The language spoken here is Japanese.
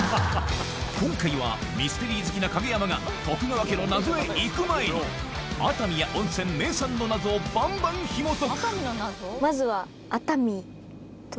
今回はミステリー好きな影山が徳川家の謎へ行く前に熱海や温泉名産の謎をバンバンひもとくまずは。